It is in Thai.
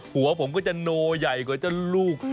หัวผมก็จะโนใหญ่กว่าเจ้าลูก